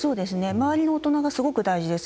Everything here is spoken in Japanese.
周りの大人がすごく大事です。